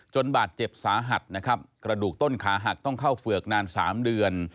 บาดเจ็บสาหัสนะครับกระดูกต้นขาหักต้องเข้าเฝือกนาน๓เดือน